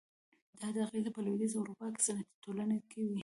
دا اغېزې په لوېدیځه اروپا کې صنعتي ټولنې کې وې.